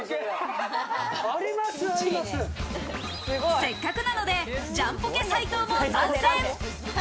せっかくなのでジャンポケ・斉藤も参戦。